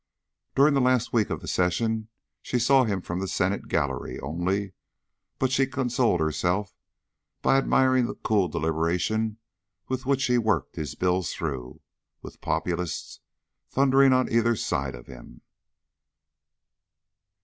During the last week of the Session she saw him from the Senate Gallery only, but she consoled herself by admiring the cool deliberation with which he worked his bills through, with Populists thundering on either side of him.